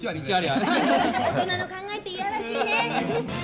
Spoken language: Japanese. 大人の考えっていやらしいね。